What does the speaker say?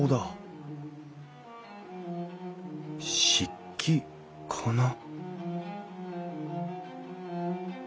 漆器かな？